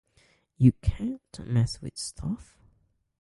You can't mess with stuff.